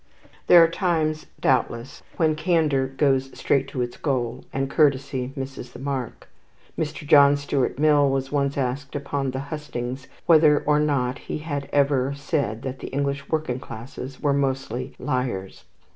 There are times doubtless when candour goes straight to its goal, and courtesy misses the mark. Mr. John Stuart Mill was once asked upon the hustings whether or not he had ever said that the English working classes were mostly liars.